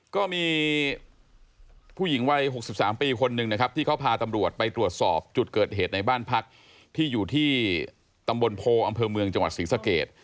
ก็มีผู้หญิงวัย๖๓ปีคนหนึ่งนะครับที่เขาพาตำรวจไปตรวจสอบจุดเกิดเหตุในบ้านพักที่อยู่ที่ตำบลโพอำเภอเมืองจังหวัดศรีสะเกด